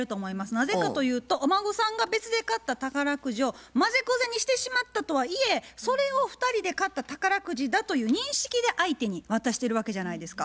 なぜかというとお孫さんが別で買った宝くじをまぜこぜにしてしまったとはいえそれを２人で買った宝くじだという認識で相手に渡してるわけじゃないですか。